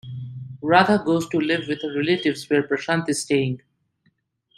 Radha goes to live with her relatives, where Prashant is staying.